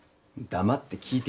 黙って聞い